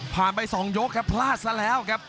ไป๒ยกครับพลาดซะแล้วครับ